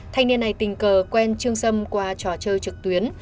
thanh niên này tình cờ quen trương sâm qua trò chơi trực tuyến